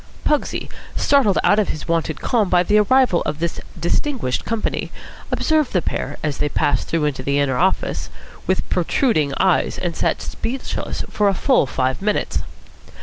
Pugsy, startled out of his wonted calm by the arrival of this distinguished company, observed the pair, as they passed through into the inner office, with protruding eyes, and sat speechless for a full five minutes.